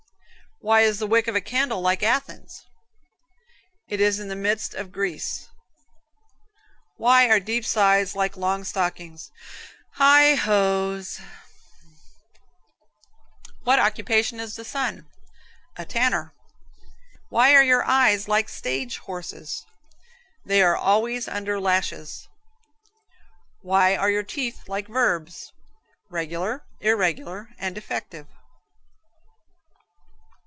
Why is the wick of a candle like Athens? It is in the midst of grease (Greece). Why are deep sighs like long stockings? Heigh ho's (high hose). What occupation is the sun? A tanner. Why are your eyes like stage horses? They are always under lashes. Why are your teeth like verbs? Regular, irregular and defective?